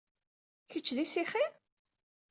Kečč d isixi?